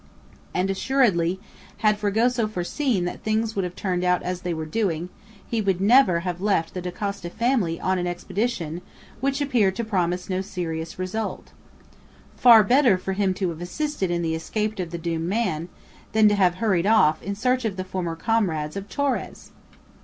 And assuredly, had Fragoso foreseen that things would have turned out as they were doing, he would never have left the Dacosta family on an expedition which appeared to promise no serious result. Far better for him to have assisted in the escape of the doomed man than to have hurried off in search of the former comrades of Torres!